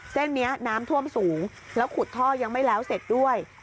เส้นนี้น้ำท่วมสูงแล้วขุดท่อยังไม่แล้วเสร็จด้วย